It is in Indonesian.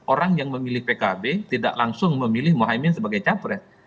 orang yang memilih pkb tidak langsung memilih mohaimin sebagai capres